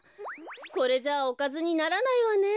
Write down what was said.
これじゃおかずにならないわね。